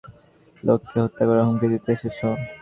আর আমার সবচেয়ে বিশ্বস্ত লোককে হত্যা করার হুমকি দিতে এসেছ?